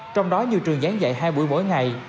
trong đó nhiều trường gián dạy hai buổi mỗi ngày